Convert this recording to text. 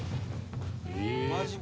「マジか」